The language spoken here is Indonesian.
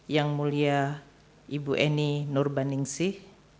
yang mulia ibu eni nur baningsih